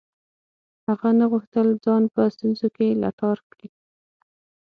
هغه نه غوښتل ځان په ستونزو کې لتاړ کړي.